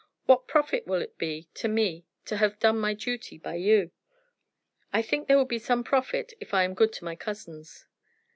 What profit will it be to me to have done my duty by you? I think there will be some profit if I am good to my cousins."